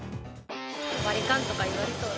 割り勘とか言われそうで。